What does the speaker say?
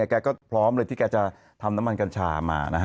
แกก็พร้อมเลยที่แกจะทำน้ำมันกัญชามานะฮะ